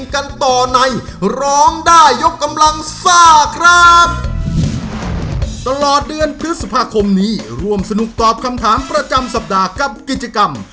ตลอดเดือนพฤษภาคมนี้ร่วมสนุกตอบคำถามประจำสัปดาห์กับกิจกรรม